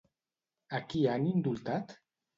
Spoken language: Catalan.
A qui han indultat?